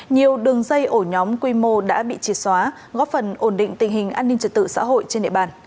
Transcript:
nhiều đường dây ổ nhóm quy mô đã bị triệt xóa góp phần ổn định tình hình an ninh trật tự xã hội trên địa bàn